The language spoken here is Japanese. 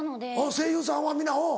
声優さんは皆うん。